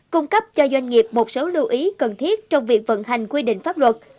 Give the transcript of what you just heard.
cung cấp cho doanh nghiệp một số lưu ý cần thiết trong việc vận hành quy định pháp luật